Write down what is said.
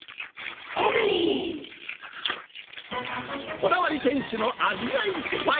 こだわり店主の味がいっぱい。